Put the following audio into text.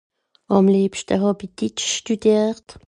àm lebschte hàb'i Ditsch schtùdiert